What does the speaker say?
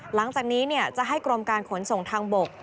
หลังจากนี้จะให้กรมการขนส่งทางบก